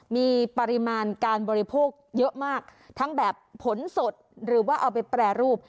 มีปริมาณการบริโภคเยอะมากทั้งแบบผลสดหรือว่าเอาไปแปรรูป